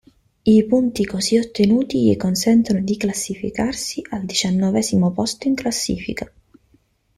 I punti così ottenuti gli consentono di classificarsi al diciannovesimo posto in classifica.